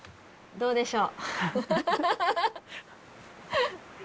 どうでしょう。